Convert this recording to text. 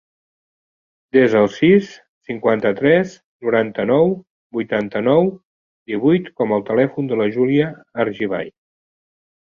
Desa el sis, cinquanta-tres, noranta-nou, vuitanta-nou, divuit com a telèfon de la Júlia Argibay.